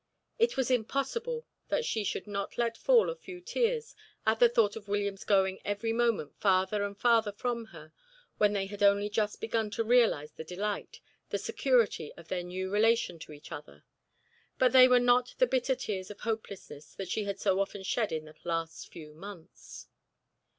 It was impossible that she should not let fall a few tears at the thought of William's going every moment farther and farther from her when they had only just begun to realize the delight, the security of their new relation to each other, but they were not the bitter tears of hopelessness that she had so often shed in the last few months.